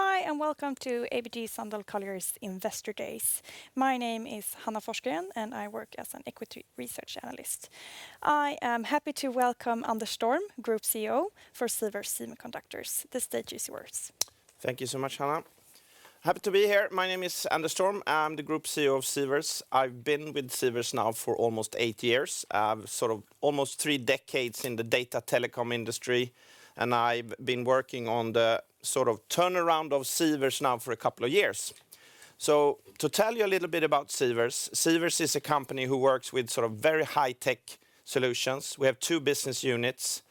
Hi, welcome to ABG Sundal Collier's Investor Days. My name is Hanna Forssell, and I work as an equity research analyst. I am happy to welcome Anders Storm, Group CEO for Sivers Semiconductors. The stage is yours. Thank you so much, Hanna. Happy to be here. My name is Anders Storm. I'm the Group CEO of Sivers. I've been with Sivers now for almost eight years. I have sort of almost three decades in the data telecom industry. I've been working on the sort of turnaround of Sivers now for a couple of years. To tell you a little bit about Sivers is a company who works with sort of very high-tech solutions. We have two business units.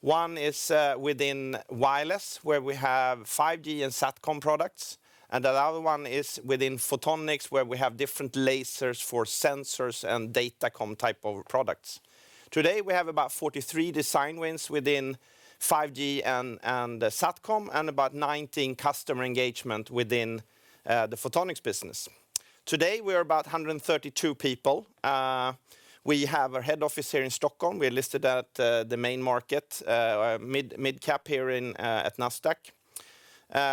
One is within wireless, where we have 5G and SATCOM products. The other one is within Photonics, where we have different lasers for sensors and datacom type of products. Today, we have about 43 design wins within 5G and SATCOM and about 19 customer engagement within the Photonics business. Today, we're about 132 people. We have our head office here in Stockholm. We're listed at the main market, mid-cap at Nasdaq.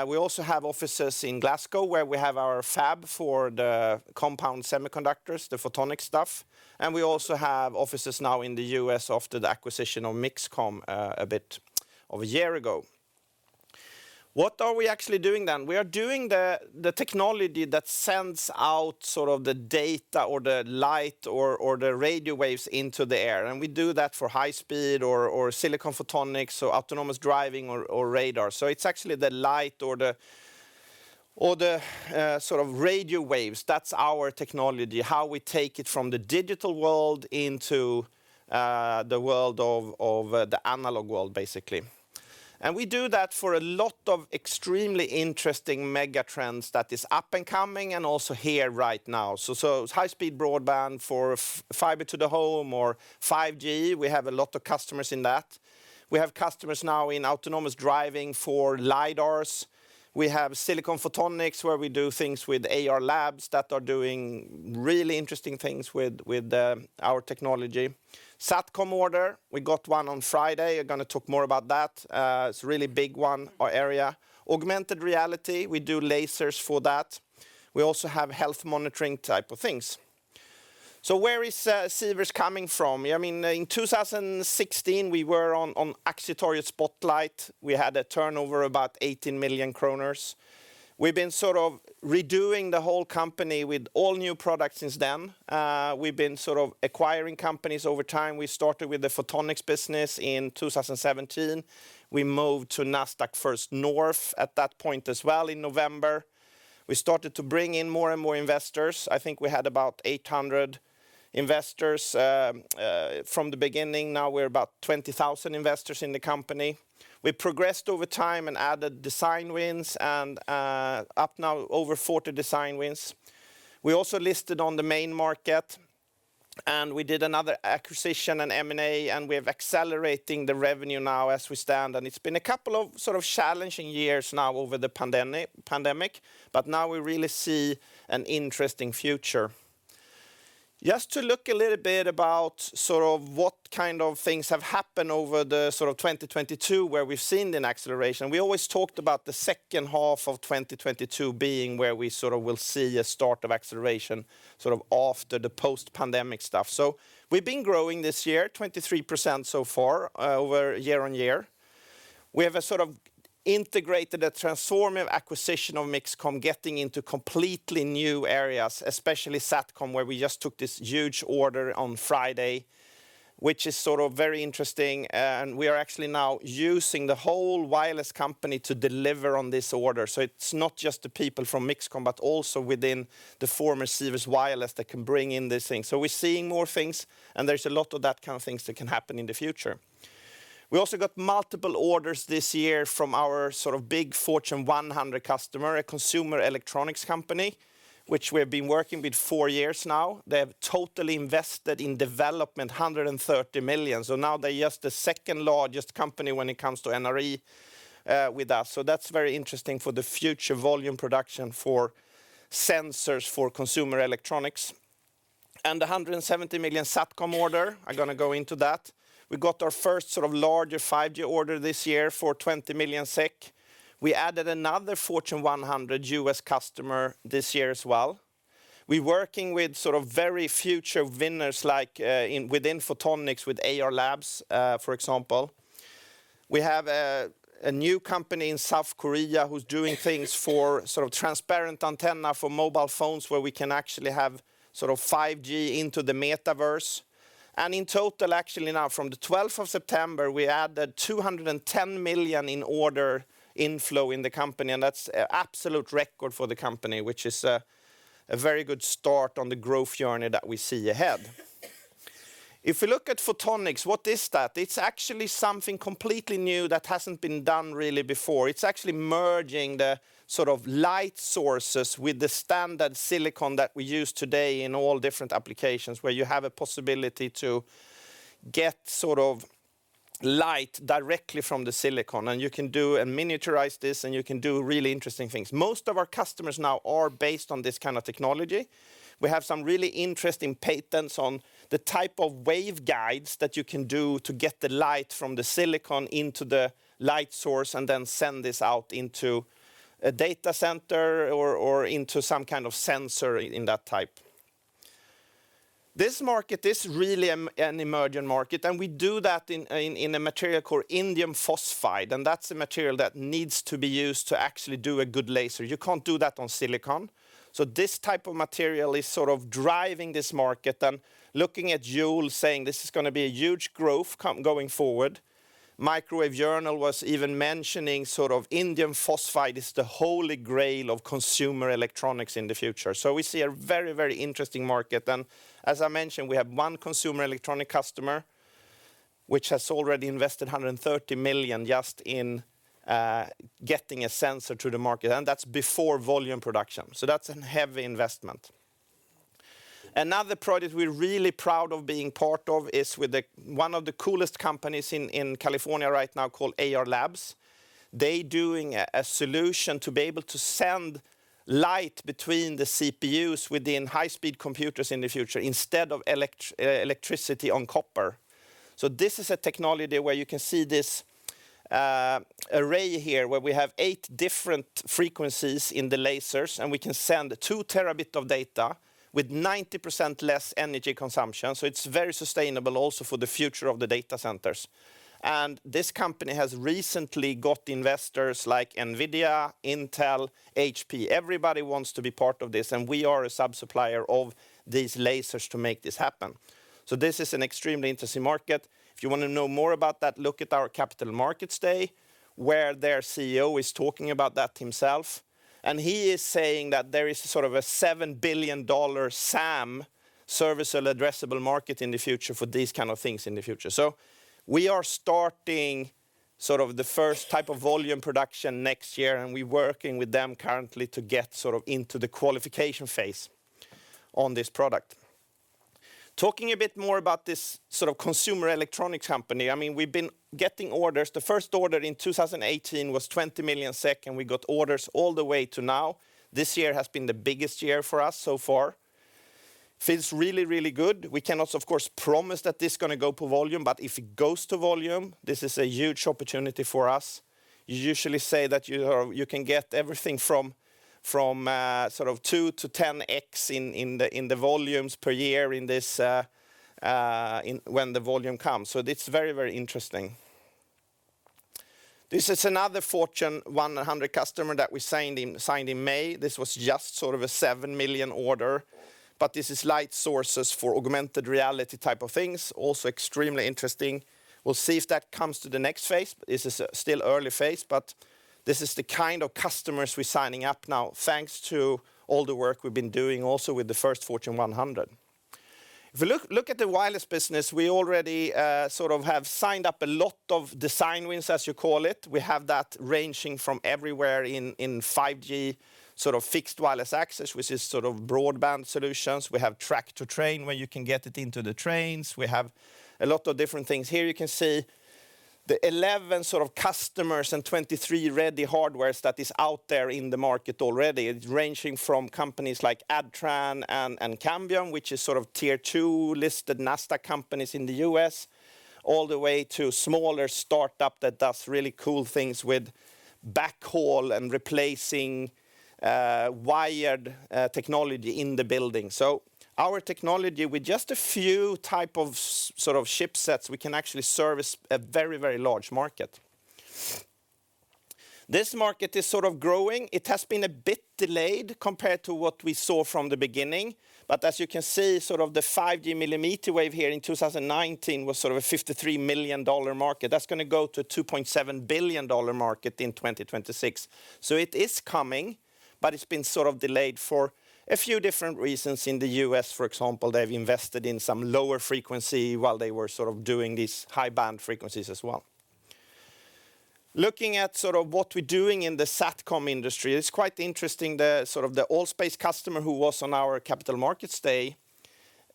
We also have offices in Glasgow where we have our fab for the compound semiconductors, the photonic stuff, and we also have offices now in the U.S. after the acquisition of MixCom a bit of a year ago. What are we actually doing then? We are doing the technology that sends out sort of the data or the light or the radio waves into the air, we do that for high speed or silicon photonics, so autonomous driving or radar. It's actually the light or the sort of radio waves. That's our technology, how we take it from the digital world into the world of the analog world, basically. We do that for a lot of extremely interesting mega trends that is up and coming and also here right now. High-speed broadband for fiber to the home or 5G, we have a lot of customers in that. We have customers now in autonomous driving for lidars. We have silicon photonics, where we do things with Ayar Labs that are doing really interesting things with our technology. SATCOM order, we got one on Friday. I'm gonna talk more about that. It's a really big one, our area. Augmented reality, we do lasers for that. We also have health monitoring type of things. Where is Sivers coming from? I mean, in 2016, we were on Spotlight Stock Market. We had a turnover about 18 million kronor. We've been sort of redoing the whole company with all new products since then. We've been sort of acquiring companies over time. We started with the photonics business in 2017. We moved to Nasdaq First North at that point as well in November. We started to bring in more and more investors. I think we had about 800 investors from the beginning. Now we're about 20,000 investors in the company. We progressed over time and added design wins and up now over 40 design wins. We also listed on the main market, and we did another acquisition in M&A, and we're accelerating the revenue now as we stand. It's been a couple of sort of challenging years now over the pandemic, but now we really see an interesting future. Just to look a little bit about sort of what kind of things have happened over the sort of 2022, where we've seen an acceleration. We always talked about the second half of 2022 being where we sort of will see a start of acceleration, sort of after the post-pandemic stuff. We've been growing this year, 23% so far over year-over-year. We have a sort of integrated a transformative acquisition of MixComm getting into completely new areas, especially SATCOM, where we just took this huge order on Friday, which is sort of very interesting, and we are actually now using the whole wireless company to deliver on this order. It's not just the people from MixComm, but also within the former Sivers wireless that can bring in these things. We're seeing more things, and there's a lot of that kind of things that can happen in the future. We also got multiple orders this year from our sort of big Fortune 100 customer, a consumer electronics company, which we have been working with four years now. They have totally invested in development 130 million. Now they're just the second-largest company when it comes to NRE with us. That's very interesting for the future volume production for sensors for consumer electronics. The 170 million SATCOM order, I'm gonna go into that. We got our first sort of larger 5G order this year for 20 million SEK. We added another Fortune 100 U.S. customer this year as well. We working with sort of very future winners like within photonics with Ayar Labs, for example. We have a new company in South Korea who's doing things for sort of transparent antenna for mobile phones where we can actually have sort of 5G into the metaverse. In total, actually now from the twelfth of September, we added 210 million in order inflow in the company, and that's a absolute record for the company, which is a very good start on the growth journey that we see ahead. If we look at photonics, what is that? It's actually something completely new that hasn't been done really before. It's actually merging the sort of light sources with the standard silicon that we use today in all different applications, where you have a possibility to get light directly from the silicon, and you can and miniaturize this, and you can do really interesting things. Most of our customers now are based on this kind of technology. We have some really interesting patents on the type of waveguides that you can do to get the light from the silicon into the light source and then send this out into a data center or into some kind of sensor in that type. This market is really an emerging market, and we do that in a, in a material called indium phosphide, and that's a material that needs to be used to actually do a good laser. You can't do that on silicon. This type of material is sort of driving this market and looking at Yole saying, "This is gonna be a huge growth going forward." Microwave Journal was even mentioning sort of indium phosphide is the holy grail of consumer electronics in the future. We see a very, very interesting market. As I mentioned, we have one consumer electronic customer which has already invested 130 million just in getting a sensor to the market, and that's before volume production. That's a heavy investment. Another project we're really proud of being part of is with one of the coolest companies in California right now called Ayar Labs. They're doing a solution to be able to send light between the CPUs within high-speed computers in the future instead of electricity on copper. This is a technology where you can see this array here, where we have 8 different frequencies in the lasers. We can send 2 terabit of data with 90% less energy consumption. It's very sustainable also for the future of the data centers. This company has recently got investors like NVIDIA, Intel, HP. Everybody wants to be part of this, and we are a sub-supplier of these lasers to make this happen. This is an extremely interesting market. If you wanna know more about that, look at our Capital Markets Day, where their CEO is talking about that himself. He is saying that there is sort of a $7 billion SAM, serviceable addressable market, in the future for these kind of things in the future. We are starting sort of the first type of volume production next year, and we're working with them currently to get sort of into the qualification phase on this product. Talking a bit more about this sort of consumer electronic company. I mean, we've been getting orders. The first order in 2018 was 20 million SEK. We got orders all the way to now. This year has been the biggest year for us so far. Feels really, really good. We cannot, of course, promise that this is gonna go to volume, but if it goes to volume, this is a huge opportunity for us. You usually say that you can get everything from, sort of 2-10x in the volumes per year in this when the volume comes. It's very, very interesting. This is another Fortune 100 customer that we signed in May. This was just sort of a 7 million order. This is light sources for augmented reality type of things, also extremely interesting. We'll see if that comes to the next phase. This is still early phase, but this is the kind of customers we're signing up now, thanks to all the work we've been doing also with the first Fortune 100. If you look at the wireless business, we already sort of have signed up a lot of design wins, as you call it. We have that ranging from everywhere in 5G sort of Fixed Wireless Access, which is sort of broadband solutions. We have track to train, where you can get it into the trains. We have a lot of different things. Here you can see the 11 sort of customers and 23 ready hardwares that is out there in the market already. It's ranging from companies like ADTRAN and Cambium, which is sort of tier two listed Nasdaq companies in the U.S., all the way to smaller startup that does really cool things with backhaul and replacing wired technology in the building. Our technology, with just a few type of sort of chipsets, we can actually service a very, very large market. This market is sort of growing. It has been a bit delayed compared to what we saw from the beginning. As you can see, sort of the 5G millimeter wave here in 2019 was sort of a $53 million market. That's gonna go to a $2.7 billion market in 2026. It is coming, but it's been sort of delayed for a few different reasons. In the U.S., for example, they've invested in some lower frequency while they were sort of doing these high-band frequencies as well. Looking at sort of what we're doing in the SATCOM industry, it's quite interesting. The sort of the ALL.SPACE customer who was on our Capital Markets Day,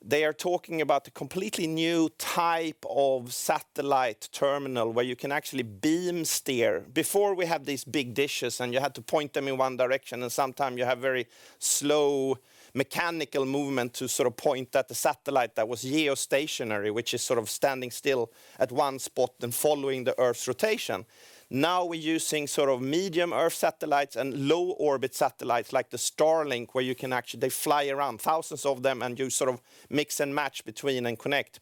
they are talking about a completely new type of satellite terminal where you can actually beam steer. Before we had these big dishes, and you had to point them in one direction, and sometime you have very slow mechanical movement to sort of point at the satellite that was geostationary, which is sort of standing still at one spot then following the Earth's rotation. Now we're using sort of Medium Earth satellites and Low Earth orbit satellites like the Starlink, where you can. They fly around, thousands of them, and you sort of mix and match between and connect.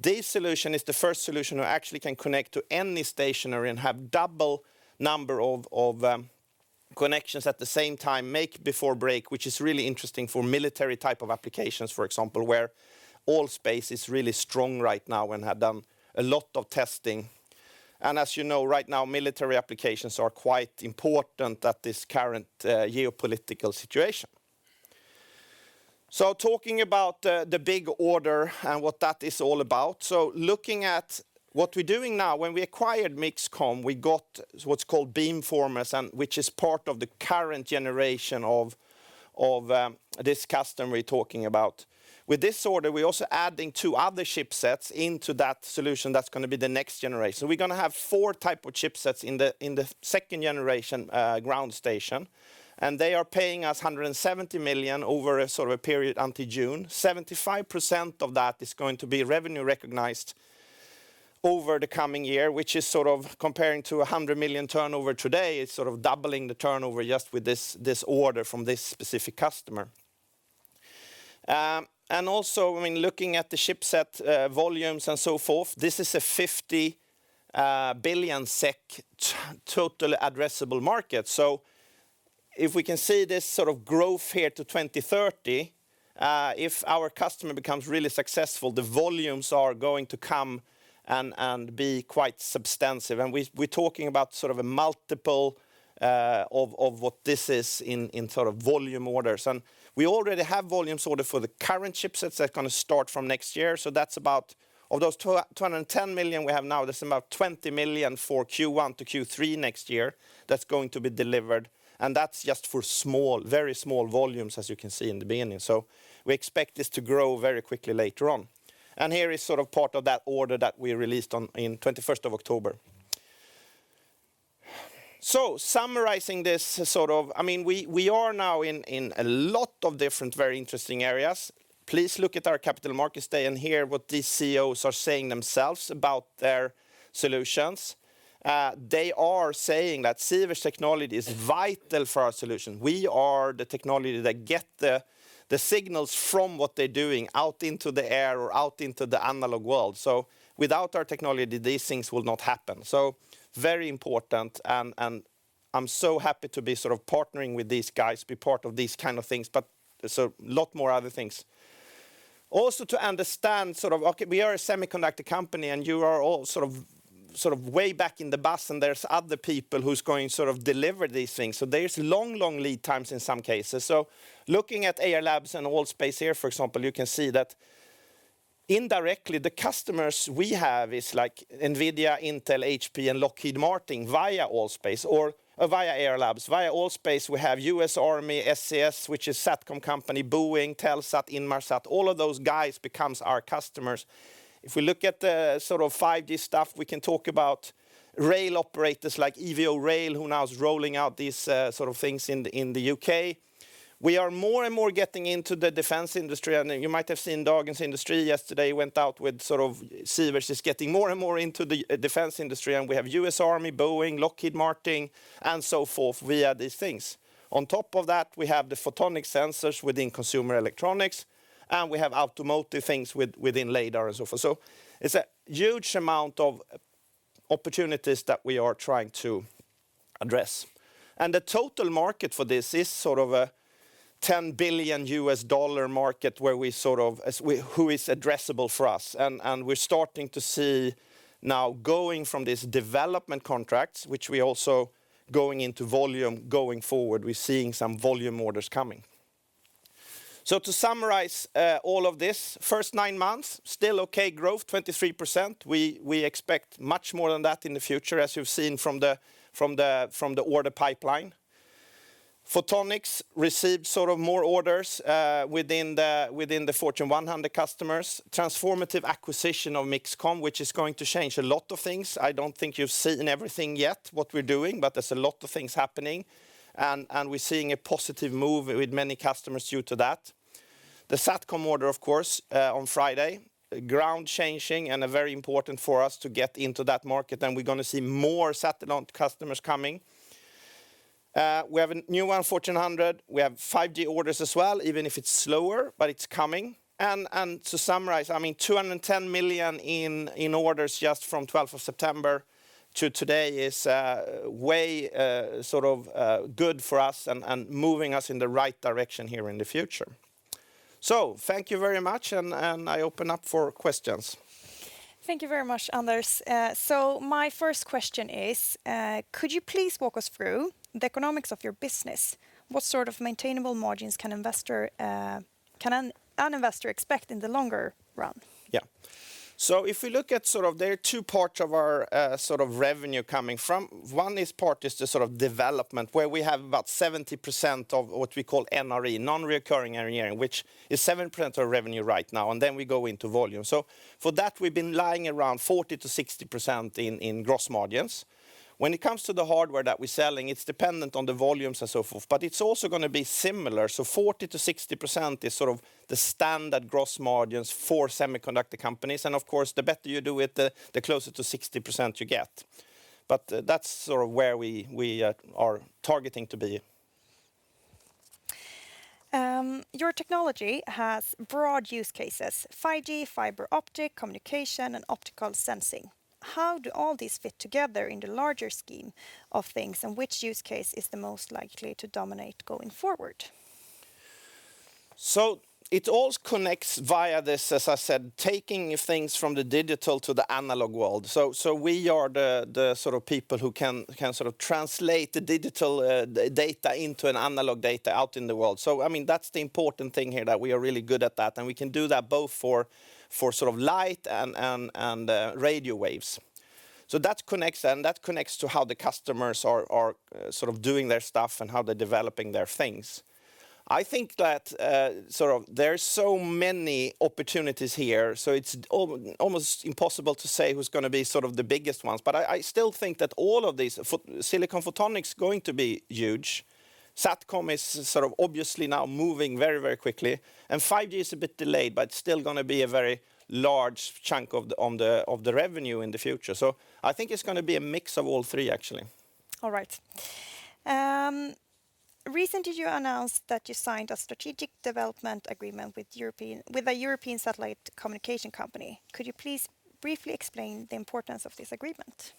This solution is the first solution who actually can connect to any stationary and have double number of connections at the same time, make-before-break, which is really interesting for military type of applications, for example, where ALL.SPACE is really strong right now and have done a lot of testing. As you know, right now, military applications are quite important at this current geopolitical situation. Talking about the big order and what that is all about. Looking at what we're doing now, when we acquired MixComm, we got what's called beamformers and which is part of the current generation of this customer we're talking about. With this order, we're also adding two other chipsets into that solution that's gonna be the next generation. We're gonna have four type of chipsets in the, in the second generation ground station, and they are paying us 170 million over a sort of a period until June. 75% of that is going to be revenue recognized over the coming year, which is sort of comparing to a 100 million turnover today. It's sort of doubling the turnover just with this order from this specific customer. Also, I mean, looking at the chipset volumes and so forth, this is a 50 billion SEK total addressable market. If we can see this sort of growth here to 2030, if our customer becomes really successful, the volumes are going to come and be quite substantive. We're talking about sort of a multiple of what this is in sort of volume orders. We already have volumes ordered for the current chipsets that are going to start from next year. Of those 210 million we have now, there's about 20 million for Q1 to Q3 next year that's going to be delivered, and that's just for small, very small volumes, as you can see in the beginning. We expect this to grow very quickly later on. Here is sort of part of that order that we released on, in 21st of October. Summarizing, I mean, we are now in a lot of different, very interesting areas. Please look at our capital markets day and hear what these CEOs are saying themselves about their solutions. They are saying that Sivers' technology is vital for our solution. We are the technology that get the signals from what they're doing out into the air or out into the analog world. Without our technology, these things will not happen. Very important and I'm so happy to be sort of partnering with these guys, be part of these kind of things. There's a lot more other things. Also to understand sort of, okay, we are a semiconductor company, and you are all sort of way back in the bus, and there's other people who's going to sort of deliver these things. There's long, long lead times in some cases. Looking at Ayar Labs and ALL.SPACE here, for example, you can see that indirectly the customers we have is like NVIDIA, Intel, HP, and Lockheed Martin via ALL.SPACE or via Ayar Labs. Via ALL.SPACE, we have US Army, SCS, which is SATCOM company, Boeing, Telesat, Inmarsat, all of those guys becomes our customers. If we look at the sort of 5G stuff, we can talk about rail operators like Evo-rail, who now is rolling out these sort of things in the U.K. We are more and more getting into the defense industry. You might have seen Dagens industri yesterday went out with sort of Sivers' just getting more and more into the defense industry, and we have US Army, Boeing, Lockheed Martin, and so forth via these things. On top of that, we have the photonic sensors within consumer electronics, and we have automotive things within LiDAR and so forth. It's a huge amount of opportunities that we are trying to address. The total market for this is sort of a $10 billion market where we who is addressable for us. We're starting to see now going from these development contracts, which we also going into volume going forward, we're seeing some volume orders coming. To summarize, all of this, first nine months, still okay growth, 23%. We expect much more than that in the future, as you've seen from the order pipeline. Photonics received sort of more orders, within the Fortune 100 customers. Transformative acquisition of MixComm, which is going to change a lot of things. I don't think you've seen everything yet, what we're doing, but there's a lot of things happening and we're seeing a positive move with many customers due to that. The SATCOM order, of course, on Friday, ground-changing and a very important for us to get into that market, and we're gonna see more satellite customers coming. We have a new one, Fortune 100. We have 5G orders as well, even if it's slower, but it's coming. To summarize, I mean, 210 million in orders just from twelfth of September to today is way sort of good for us and moving us in the right direction here in the future. Thank you very much and I open up for questions. Thank you very much, Anders. My first question is, could you please walk us through the economics of your business? What sort of maintainable margins can an investor expect in the longer run? Yeah. If we look at. There are two parts of our sort of revenue coming from. One is part is the sort of development, where we have about 70% of what we call NRE, Non-Recurring Engineering, which is 7% of revenue right now, and then we go into volume. For that, we've been lying around 40%-60% in gross margins. When it comes to the hardware that we're selling, it's dependent on the volumes and so forth, but it's also gonna be similar. 40%-60% is sort of the standard gross margins for semiconductor companies. Of course, the better you do it, the closer to 60% you get. That's sort of where we are targeting to be. Your technology has broad use cases: 5G, fiber optic, communication, and optical sensing. How do all these fit together in the larger scheme of things, and which use case is the most likely to dominate going forward? It all connects via this, as I said, taking things from the digital to the analog world. We are the sort of people who can sort of translate the digital data into an analog data out in the world. I mean, that's the important thing here, that we are really good at that, and we can do that both for sort of light and radio waves. That connects, and that connects to how the customers are sort of doing their stuff and how they're developing their things. I think that sort of there's so many opportunities here, so it's almost impossible to say who's gonna be sort of the biggest ones. I still think that all of these silicon photonics going to be huge. SATCOM is sort of obviously now moving very, very quickly. 5G is a bit delayed. Still gonna be a very large chunk of the revenue in the future. I think it's gonna be a mix of all three, actually. All right. Recently you announced that you signed a strategic development agreement with a European satellite communication company. Could you please briefly explain the importance of this agreement?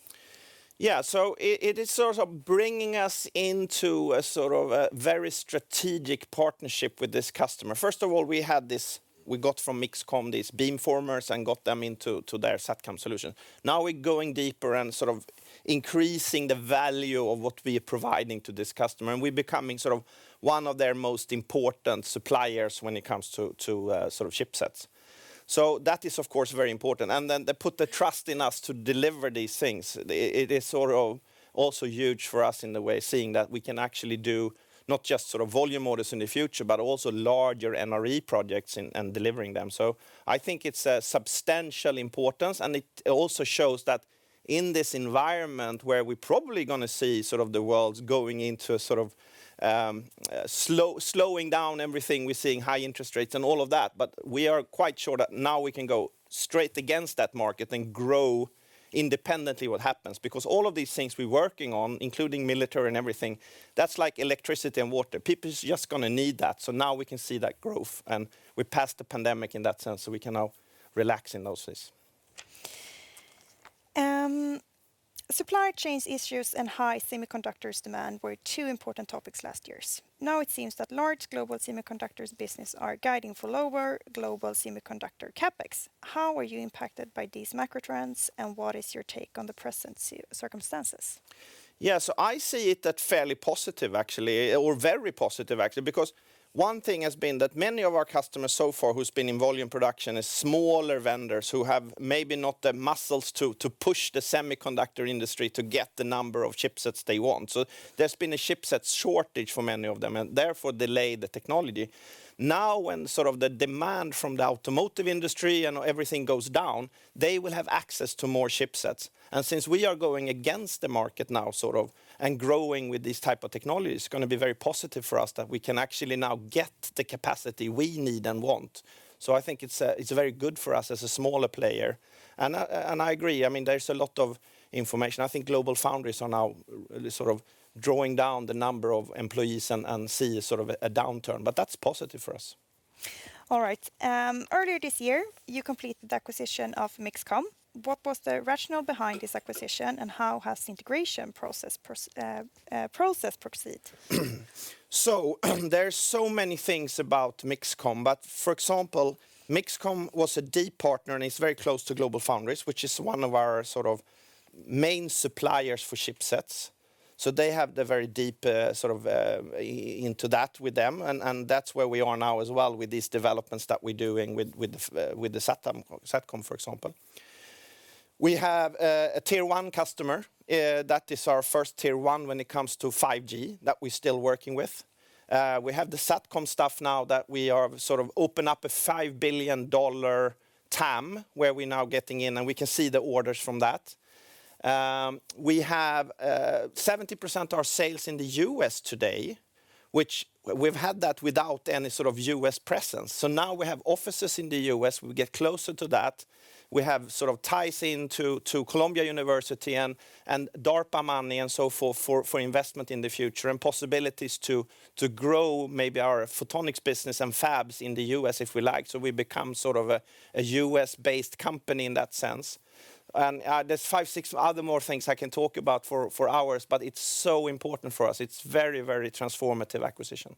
It is sort of bringing us into a sort of a very strategic partnership with this customer. First of all, we got from MixComm these beamformers and got them into their SATCOM solution. We're going deeper and sort of increasing the value of what we are providing to this customer, we're becoming sort of one of their most important suppliers when it comes to sort of chipsets. That is, of course, very important. They put the trust in us to deliver these things. It is sort of also huge for us in the way, seeing that we can actually do not just sort of volume orders in the future, but also larger NRE projects and delivering them. I think it's a substantial importance, and it also shows that in this environment where we're probably gonna see sort of the world going into a sort of, slowing down everything, we're seeing high interest rates and all of that. We are quite sure that now we can go straight against that market and grow independently what happens because all of these things we're working on, including military and everything, that's like electricity and water. People's just gonna need that. Now we can see that growth, and we passed the pandemic in that sense, so we can now relax in those ways. Supply chains issues and high semiconductors demand were two important topics last years. Now it seems that large global semiconductors business are guiding for lower global semiconductor CapEx. How are you impacted by these macro trends, and what is your take on the present circumstances? I see it that fairly positive actually, or very positive actually, because one thing has been that many of our customers so far who's been in volume production is smaller vendors who have maybe not the muscles to push the semiconductor industry to get the number of chipsets they want. There's been a chipset shortage for many of them and therefore delay the technology. Now, when sort of the demand from the automotive industry and everything goes down, they will have access to more chipsets. Since we are going against the market now, sort of, and growing with these type of technologies, it's gonna be very positive for us that we can actually now get the capacity we need and want. I think it's very good for us as a smaller player. I agree. I mean, there's a lot of information. I think GlobalFoundries are now sort of drawing down the number of employees and see sort of a downturn, but that's positive for us. All right. Earlier this year, you completed the acquisition of MixComm. What was the rationale behind this acquisition, and how has the integration process proceed? There's so many things about MixComm. For example, MixComm was a deep partner, and it's very close to GlobalFoundries, which is one of our sort of main suppliers for chipsets, so they have the very deep sort of into that with them. That's where we are now as well with these developments that we're doing with the SATCOM, for example. We have a tier one customer that is our first tier one when it comes to 5G that we're still working with. We have the SATCOM stuff now that we are sort of open up a $5 billion TAM, where we're now getting in, and we can see the orders from that. We have 70% of our sales in the U.S. today, which we've had that without any sort of U.S. presence. Now we have offices in the U.S. We get closer to that. We have sort of ties into to Columbia University and DARPA money and so forth for investment in the future, and possibilities to grow maybe our photonics business and fabs in the U.S. if we like, so we become sort of a U.S.-based company in that sense. There's five, six other more things I can talk about for hours, but it's so important for us. It's very, very transformative acquisition.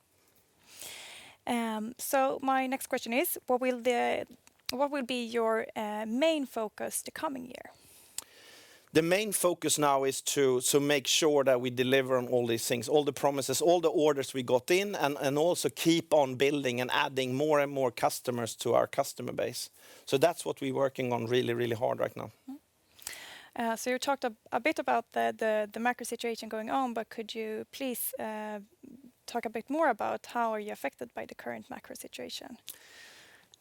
My next question is, what will be your main focus the coming year? The main focus now is to make sure that we deliver on all these things, all the promises, all the orders we got in, and also keep on building and adding more and more customers to our customer base. That's what we're working on really, really hard right now. You talked a bit about the macro situation going on, but could you please talk a bit more about how are you affected by the current macro situation?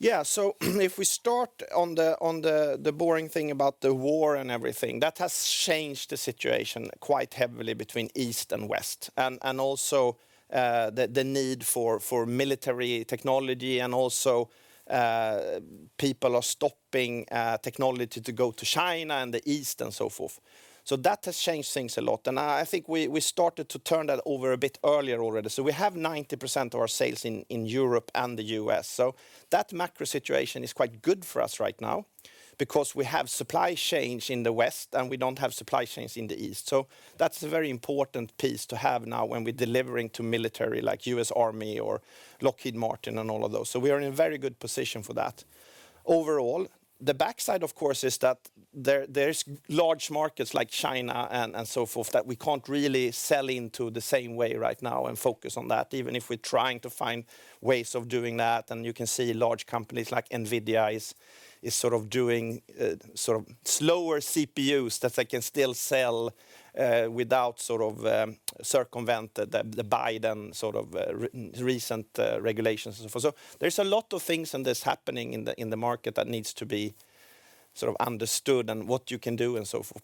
If we start on the boring thing about the war and everything, that has changed the situation quite heavily between East and West and also the need for military technology and also people are stopping technology to go to China and the East and so forth. That has changed things a lot, and I think we started to turn that over a bit earlier already. We have 90% of our sales in Europe and the U.S., that macro situation is quite good for us right now because we have supply chains in the West, and we don't have supply chains in the East. That's a very important piece to have now when we're delivering to military like US Army or Lockheed Martin and all of those. We are in a very good position for that. Overall, the backside, of course, is that there's large markets like China and so forth that we can't really sell into the same way right now and focus on that, even if we're trying to find ways of doing that. You can see large companies like NVIDIA is sort of doing sort of slower CPUs that they can still sell without sort of circumvent the Biden sort of recent regulations and so forth. There's a lot of things in this happening in the market that needs to be sort of understood and what you can do and so forth.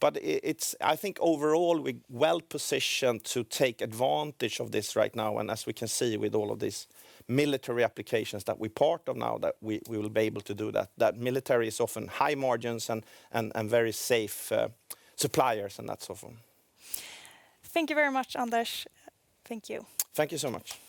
I think overall we're well-positioned to take advantage of this right now, and as we can see with all of these military applications that we're part of now, that we will be able to do that. Military is often high margins and very safe suppliers and that so forth. Thank you very much, Anders. Thank you. Thank you so much.